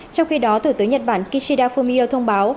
trong khi đó thủ tướng nhật bản kishida fumio thông báo